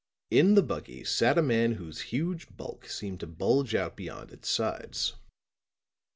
In the buggy sat a man whose huge bulk seemed to bulge out beyond its sides.